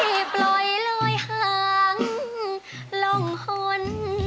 ที่ปล่อยเลยห่างลงหล่น